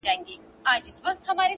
اخلاق د انسان له شتمنۍ لوړ دي,